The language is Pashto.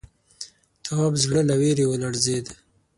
تواب زړه له وېرې ولړزېد.